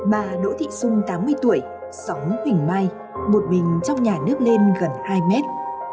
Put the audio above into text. bà đỗ thị xuân tám mươi tuổi sống huỳnh mai một mình trong nhà nước lên gần hai mét